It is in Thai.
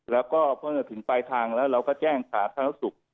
แล้วก็พอถึงปลายทางเราก็แจ้งสถานศาสตร์ศุกร์